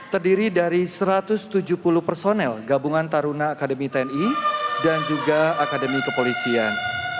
terdiri dari satu ratus tujuh puluh personel gabungan taruna akademi tni dan juga akademi kepolisian